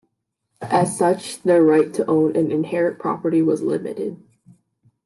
As such, their right to own and inherit property was limited.